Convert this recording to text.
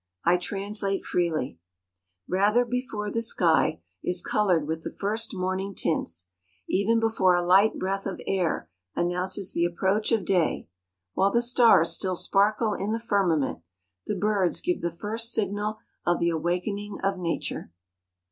I translate freely: —^ Eather before the sky is coloured with the first morning tints, even before a light breath of air announces the approach of day, while the stars still ANIMAL LIFE IN MOUNTAIN REGIONS. 319 sparkle in the firmament, the birds give the first signal of the awakening of nature.